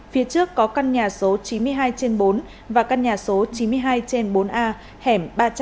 phía trước có căn nhà số chín mươi hai trên bốn và căn nhà số chín mươi hai trên bốn a hẻm ba trăm linh